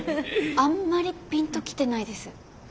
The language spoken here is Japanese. あんまりピンと来てないです。